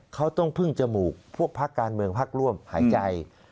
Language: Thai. เขาต้องพึ่งจมูกพวกพักการเมืองพักร่วมหายใจ